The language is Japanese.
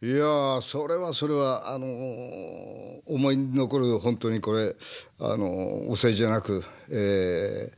いやそれはそれはあの思い出に残る本当にこれお世辞じゃなく作品だったんで。